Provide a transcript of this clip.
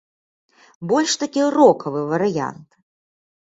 Больш такі рокавы варыянт.